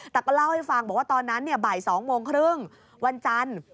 แต่ก็เล่าให้ฟังบอกว่าตอนนั้นบ่าย๒โมงครึ่งวันจันทร์